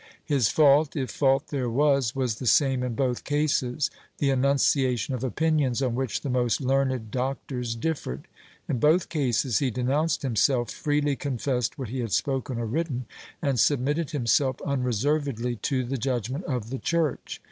His fault, if fault there was, was the same in both cases — the enunciation of opinions on which the most learned doctors differed. In both cases he denounced himself, freely confessed what he had spolcen or written, and sul^mitted himself unreservedly to the judgement of the church.